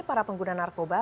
para pengguna narkoba